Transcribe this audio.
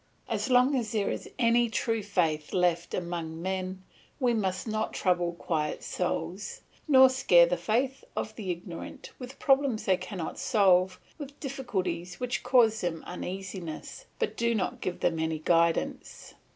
As long as there is any true faith left among men, we must not trouble quiet souls, nor scare the faith of the ignorant with problems they cannot solve, with difficulties which cause them uneasiness, but do not give them any guidance.